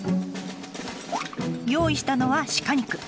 用意したのは鹿肉。